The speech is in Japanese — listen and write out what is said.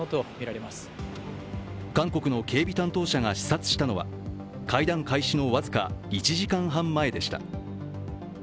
韓国の警備担当者が視察したのは会談開始の僅か１時間半前でした。